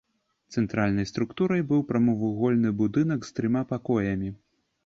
Цэнтральнай структурай быў прамавугольны будынак з трыма пакоямі.